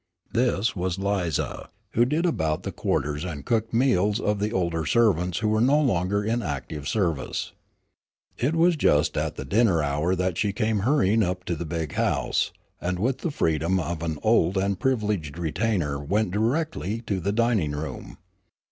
This was Lize, who did about the quarters and cooked the meals of the older servants who were no longer in active service. It was just at the dinner hour that she came hurrying up to the "big house," and with the freedom of an old and privileged retainer went directly to the dining room.